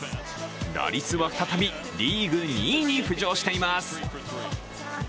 打率は再びリーグ２位に浮上しています。